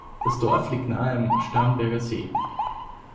Das Dorf liegt nahe am Starnberger See.